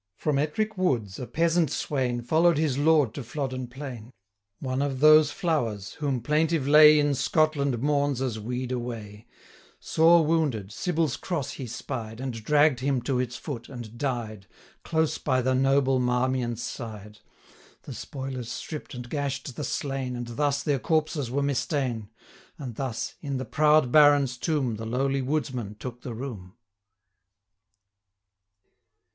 From Ettrick woods, a peasant swain Follow'd his lord to Flodden plain, One of those flowers, whom plaintive lay 1110 In Scotland mourns as 'wede away': Sore wounded, Sybil's Cross he spied, And dragg'd him to its foot, and died, Close by the noble Marmion's side. The spoilers stripp'd and gash'd the slain, 1115 And thus their corpses were mista'en; And thus, in the proud Baron's tomb, The lowly woodsman took the room.